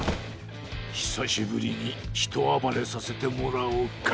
ひさしぶりにひとあばれさせてもらおうか。